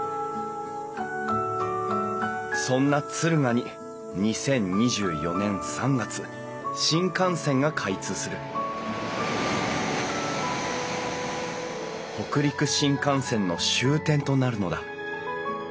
そんな敦賀に２０２４年３月新幹線が開通する北陸新幹線の終点となるのだ。